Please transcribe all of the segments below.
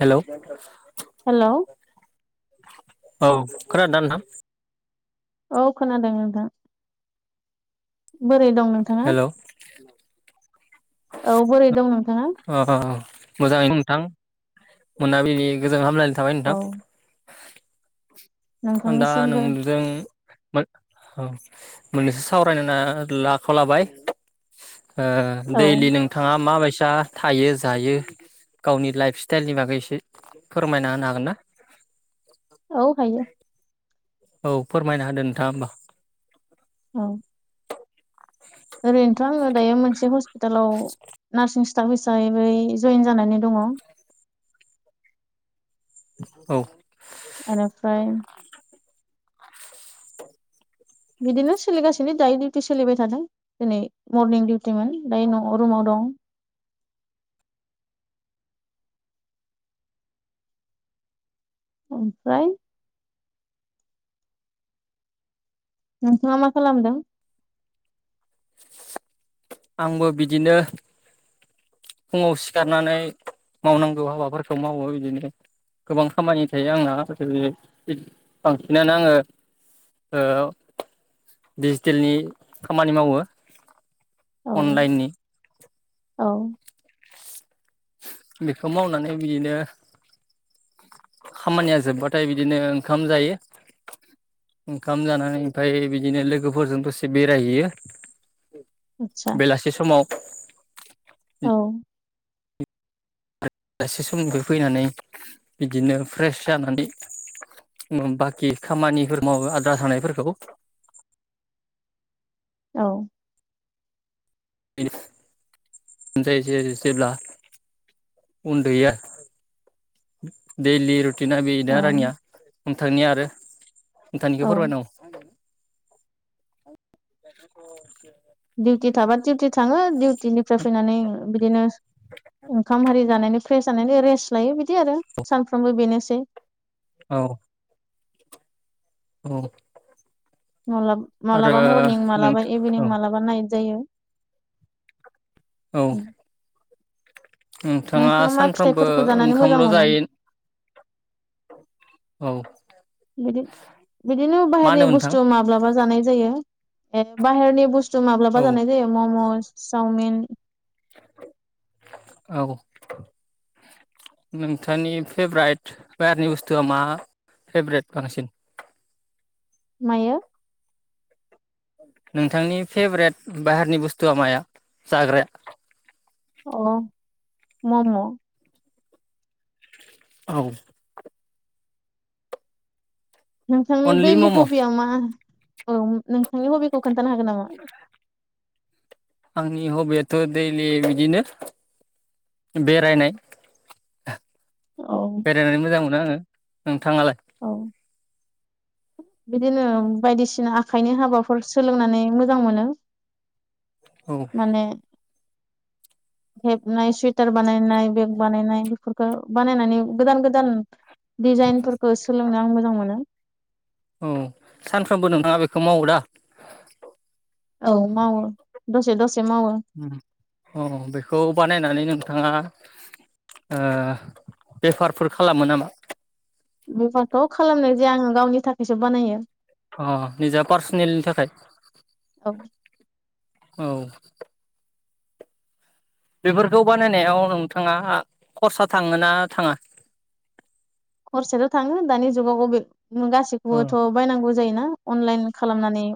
हेल'। Hello. औ खोनादोना नोंथां। औ खोनादों नोंथां। बोरै दं नोंथाङा? हेलौ औ बोरै नों आ मोजाङैनो दं नोंथां। [inaudible] थाबाय औ नोंथां। दा नोंथांनिसिमबो नोंजों औ मोननैसो सावरायनो होनना आखायाव लाबाय। औ दैलि नोंथाङा माबाय सा थायो जायो गावनि लाइफ स्टाइलनि बागै एसे फोरमायना होनो हागोन ना? औ हायो। औ फोरमायना होदो नोंथाङा होमबा। औ ओरैनोथ' आङो दायो मोनसे हस्पितालाव नार्सिं स्टाफ हिसाबै जयेन जानानै दङ। औ आरो फ्राय बिदिनो सोलिगासिनो दायो डिउटि सोलिबाय थादों दिनै मरनिं डिउटिमोन दायो न' रुमाव दं। ओमफ्राय नोंथाङा मा खालामदों? आंबो बिदिनो फुङाव सिखारनानै मावनांगौ हाबाफोरखौ मावो बिदिनो गोबां खामानि थायो आंना बांसिनानो आङो डिजिटेलनि खामानि मावो औ अनलाइननि। औ बेखौ मावनानै बिदिनो खामानिया जोबबाथाय बिदिनो ओंखाम जायो ओंखाम जानानै ओमफ्राय बिदिनो लोगोफोरजों दसे बेरायहैयो आतसा बेलासि समाव। औ [unintelligible] [unintelligible] समनिफ्राय फैनानै बिदिनो फ्रेस जानानै बाखि खामानिफोर मावो आद्रा थानायफोरखौ। औ। जेब्ला उन्दुयो दैलि रु। थिना बिनो आरो आंनिया। औ नोंथांनि आरो। औ नोंथांनिखौ फोरमाय [unintelligible] [unintelligible] दिउटि थाबा दिउटि थाङो दिउटिनिफ्राय फैनानै बिदिनो। ओंखाम हारि जानायनि। फ्रेस जानानै रेस्ट लायो बि दि आरो सानफ्रोमबो बेनो [unintelligible] औ। औ। [unintelligible] आरो मालाबा मरनिं नोंथ मालाबा औ इभिनिं मालाबा नाइट। जायो। औ। नोंथाङा मा सानफ्रामबो फिथाइफोरखौ जानानै मोजां ओंखामल' मोनो जायो औ बिदि बिदिनो मा बाहेरनि होनदोंमोन नोंथां बुस्थु माब्लाबा जानाय जायो बाहेरनि बुस्थु माब्लाबा औ जानाय जायो मम'स सावमिन। औ नोंथांनि फेबारेट बाहेरनि बुस्थुआ मा फेभ्रेट बांसिन। मायो। नोंथांनि फेब्रेट बाहेरनि बुस्थुआ माया जाग्राया। अ मम'। औ‌। नोंसांनि अनलि दैलि मम' हबिया मा? औ नोंथांनि हबिखौ खोनथानो हागोन नामा? आंनि हबियाथ' दैलि बिदिनो बेरायनाय। औ बेरायनानै मोजां मोनो आङो। नोंथांङालाय। औ बिदिनो बायदिसिना आखाइनि हाबाफोर सोलोंनानै मोजां मोनो। औ माने। हेबनाय सुवइटार बानायनाय बेग बानायनाय बेफोरखौ बानायनानै गोदान गोदान। डिजाइनफोरखौ सोलोंनो आं मोजां मोनो। औ सानफ्रोमबो नोंथाङा बेखौ मावो दा? औ मावो दसे दसे। मावो अ बेखौ बानायनानै नों नोंथाङा बेफारफोर खालामो नामा? बेफारथ' खालामनाय जाया आङो गावनि थाखायसो बानायो। अ निजा पार्सनेलनि थाखाय। औ औ। बेफोरखौ बानायनायाव नोंथाङा खरसा थाङोना थाङा। खरसायाथ' थाङो दानि जुगाव बि औ गासिखौबोथ' बायनांगौ। जायोना अनलाइन खालामनानै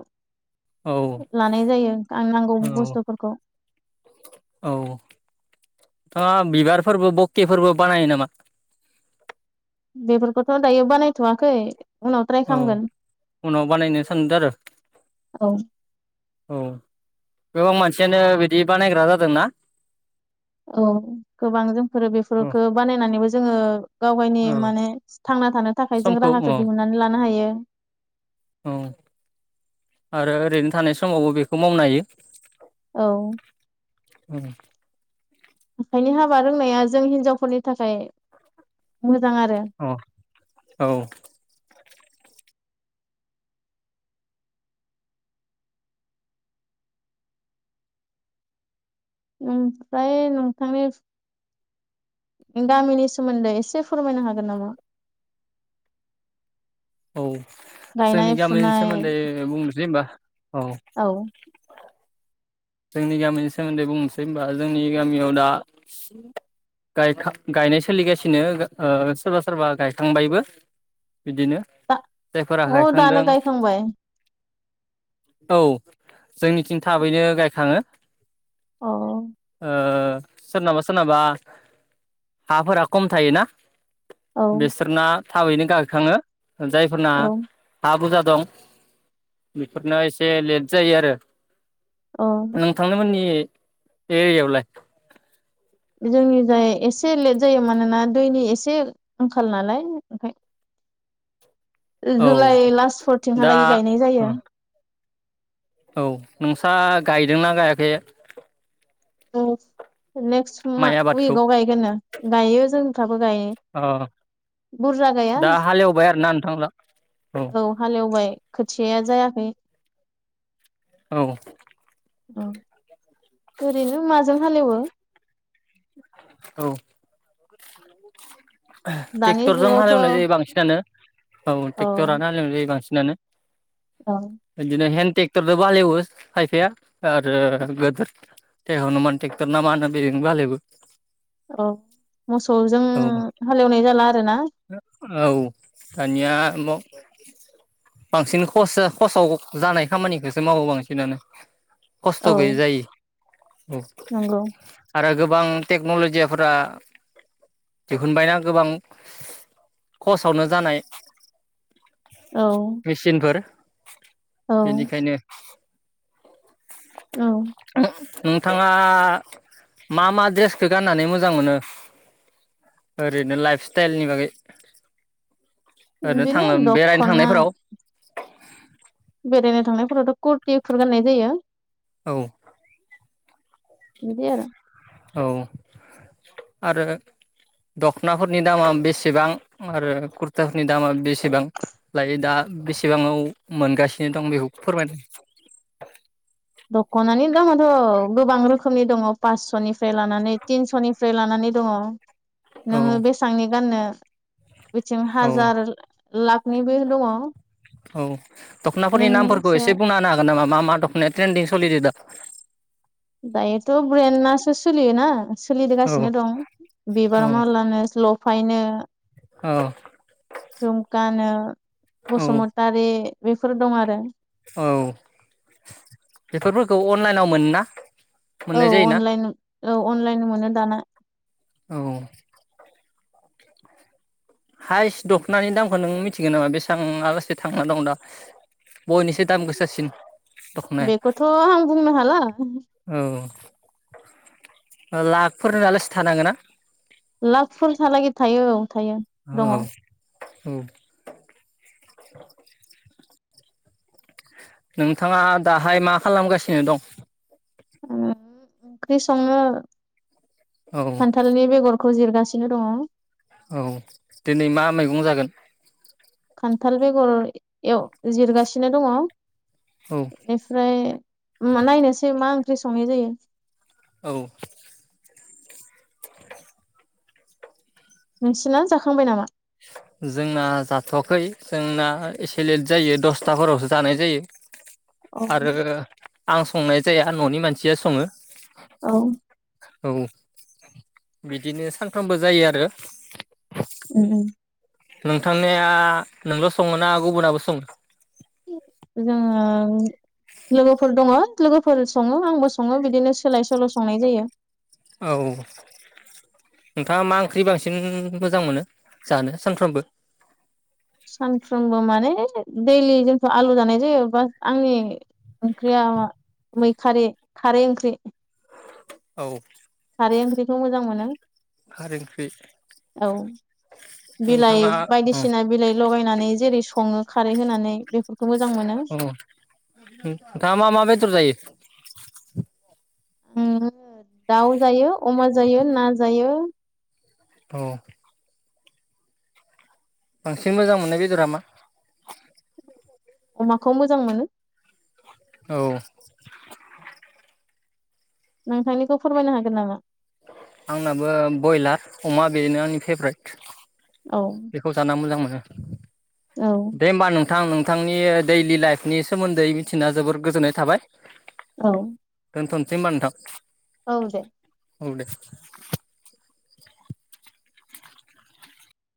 लानाय जायो आं नांगौ बुस्थुफोरखौ। औ नोंथांङा बिबारफोरबो बकि फोरबो बानायो नामा। बेफोरखौथ' दायो बानायथ'वाखै। उनाव ट्राइ औ खालामगोन उनाव बानायनो सानदों आरो। औ औ गोबां मानसियानो बिदि बानायग्रा जादोंना। औ गोबां जोंफोरो औ बेफोरफोरखौ बानायनानैबो जोङो गाव गावनि माने थांना थानो थाखाय जों समखौ राहाखौ औ दिहुनन्नानै लानो हायो। औ आरो ओरैनो थानाय समावबो बेखौ मावनो हायो। औ। उम आखाइनि हाबा रोंनाया जों हिनजावफोरनि थाखाय मोजां। आरो अ औ ओमफ्राय नोंथांनि गामिनि सोमोन्दै एसे फोरमायनो हागोन नामा औ जोंनि गायनाय गामिनि फुनाय सोमोन्दै बुंनोसै होनबा औ जोंनि गामिनि सोमोन्दै बुंनोसै होनबा जोंनि गामियाव दा गायखां गायनाय सोलिगासिनो सोरबा सोरबा गायखांबायबो बिदिनो दा जायफोरा अ गायखांदों दानो गायखांबाय औ जोंनिथिं थाबैनो गायखां खांङो अ ओ सोरनाबा सोरनाबा हाफोरा खम थायो ना औ बिसोर ना थाबैनो गायखाङो जायफोरना हा बुरजा दं बेफोरनो एसे लेट जायो आरो औ नोंथां मोननि एयावलाय? जोंनि जाय एसे लेट जायो मानोना दैनि एसे आंखाल नालाय ओंखाय औ जुलाइ लास्ट दा फोरथिंहालागै गायनाय जायो। औ नोंसा गायदोंना गायाखै? औ। नेक्स्ट मा माइ आबादखौ उइकआव गायगोननो गायो जोंफ्राबो गायो। अ बुरजा गाया। दा हालेवबाय आरोना नोंथांला औ हालेवबाय। खोथियाया जायाखै औ। औ। ओरैनो माजों हालेवो? औ। दानि ट्रेक्टरजों जुगावथ' औ हालेवनाय जायो बांसिनानो। औ टेक्टरानो हालेवनाय जायो बांस नानो। औ बिदिनो हेल्प ट्रेक्टरदोबो हालेवयो खायफाया आरो गोदोर हुनुमान ट्रेक्टर ना मा होनो बेजोंबो हालेवयो। औ। मोसौजों हालेवनाय जाला आरो ना। औ दानिया बांसिन खस खसाव जानाय खामानिखौसो मावो बांसिनानो। औ खस्थ' गैयै जायो। औ नंगौ आरो गो गोबां टेक्न'लजियाफोरा दिहुनबायना गोबां खसावनो जानाय औ मेसिनफोर। औ बेनिखायनो औ। नोंथाङा मा मा ड्रेसखो गाननानै मोजां मोनो? ओरैनो लाइफ सटाइलनि बागै। ओरैनो थां बिदिनो बेरायनो दख'ना थांनायफोराव? बेरायनो थांनायफोरावथ' कुरटिफोर गाननाय जायो। औ। बिदि आरो। औ आरो दख'नाफोरनि दामा बेसेबां आरो कुरथाफोरनि दामा बेसेबां लायो दा बेसेबांआव मोनगासिनो दं बेखौ फोरमायदों। दख'नानि दामाथ' गोबां रोखोमनि दङ पासस'निफ्राय लानानै तिनस'निफ्राय लानानै दङ। औ नोङो बेसांनि गाननो? बिथिं औ हाजार लाखनिबो दङ। औ दख'नाफोरनि नोंनि नामफोरखौ सायाव एसे बुंना होनो हागोन नामा? मा-मा दखनाया ट्रेन्दिं सलिदो दा? दायोथ' ब्रेन्डआसो सोलियोना। औ सोलिगासिनो दं औ बिबार मालानो ल फायनो। औ जुमखानो। औ बसुमतारि। बेफोर दं आरो। औ बेफोरफोरखौ अनलाइनाव मोनोना। औ मोननाय जायोना अनलाइन औ अनलाइन मोनो दाना। औ हायस्ट दख'नानि दामखौ नों मिथिगोन नामा बेसेबां आलासे थांना दं दा बयनिफ्राय दाम गोसासिन। दख'नाया बेखौथ' आं बुंनो हाला। लाखफोर लासे थानो हागौना। लाक फोरहा लागे थायो औ। थायो दङ। औ औ। नोंथाङा दाहाय मा खालामगासिनो दं? ओं ओंख्रि संङो औ खान्थालनि बेगर खौ जिरगासिनो दङ। औ दिनै मा मैगं जागोन खान्थाल बेगर एव जिरगासिनो दङ। औ बेनिफ्राय मा नायनोसै मा ओं ख्रि संनाय जायो। औ नोंसिना जाखांबाय नामा जोंना जाथ'वाखै जोंना एसे लेट जायो दसथाफोरावसो जानाय जायो। औ आरो आं संनाय जाया न'नि मानसिया सङो। औ औ बिदिनो सानफ्रामबो जायो आरो उम-उम नोंथांनिया नोंल' सङोना गुबुनाबो सङो जोङो लोगोफोर दङ लोगोफोर सङो आंबो सङो बिदिनो सोलाय सो सोल' संनाय जायो। औ नोंथाङा मा ओंख्रि बांसिन मोजां मोनो जानो सानफ्रोमबो? सानफ्रोमबो माने दैलि जोंथ' आलु जानाय जायो बा आंनि ओंख्रिया मैखारि खारै ओंख्रि। औ खारै ओंख्रिखौ मोजां मोनो खारै ओंख्रि औ बिलाइ नोंथाङा औ बायदिसिना बिलाइ लगायनानै जेरै सङो खारै होनानै बे ओम नोंथाङा मा मा बेदर जायो? [inaudible] ओम दाउ जायो अमा जायो ना जायो। औ बांसिन मोजां मोननाय बेदरा मा? अमाखौ मोजां मोनो। औ नोंथांनिखौ फोरमायनो हागोन नामा? आंनाबो बयलार अमा बेनो आंनि फेबरेट। औ बेखौ जाना मोजां मोनो। औ [inaudible] दे होमबा नों थां नोंथांनि दैलि लाइफनि सोमोन्दै मिथिना जोबोर गोजोननाय थाबाय। औ दोनथ'नोसै होमबा नोंथां। औ दे औ दे [inaudible]